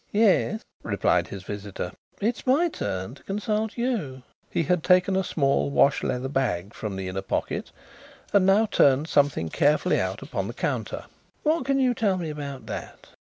"Yes," replied his visitor; "it is my turn to consult you." He had taken a small wash leather bag from the inner pocket and now turned something carefully out upon the counter. "What can you tell me about that?"